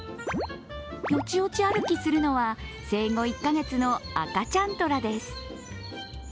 よちよち歩きするのは生後１カ月の赤ちゃん虎です。